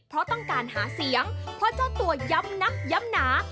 เพราะต้องการหาเสียงเพราะเจ้าตัวย้ำนับย้ำหนา